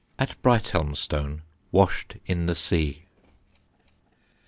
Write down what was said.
"At Brightelmstone: washed in ye sea."